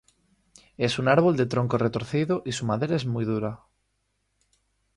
Es un árbol de tronco retorcido y su madera es muy dura.